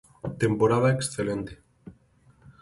Temporada excelente.